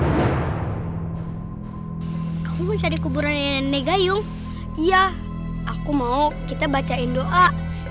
itu kan nyanyinya nenek jayung